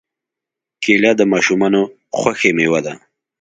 کېله د ماشومانو خوښې مېوه ده.